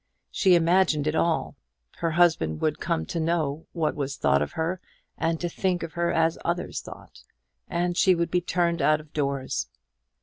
She imagined it all: her husband would come to know what was thought of her, and to think of her as others thought, and she would be turned out of doors.